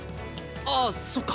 ああそっか。